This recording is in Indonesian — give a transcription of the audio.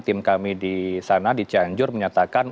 tim kami di sana di cianjur menyatakan